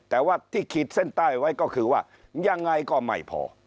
แต่ว่าที่ขีดเส้นใต้ไว้ก็คือว่ายังไงก็ไม่พอ